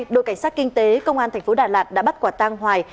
đội cảnh sát kinh tế công an thành phố đà lạt đã bắt quả tang hoài